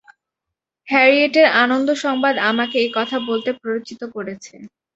হ্যারিয়েটের আনন্দসংবাদ আমাকে এ-কথা বলতে প্ররোচিত করেছে।